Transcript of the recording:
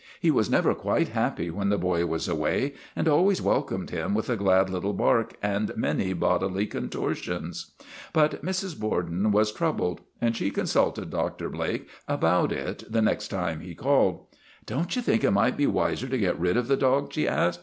He was never quite happy when the boy was away and always welcomed him with a glad little bark and many bodily contortions. But Mrs. Bor den was troubled, and she consulted Dr. Blake about it the next time he called. " Don't you think it might be wiser to get rid of the dog? " she asked.